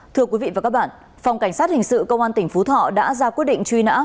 thưa quý vị và các bạn phòng cảnh sát hình sự công an tỉnh phú thọ đã ra quyết định truy nã